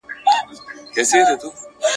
یو خزان یې په تندي کي رالیکلی !.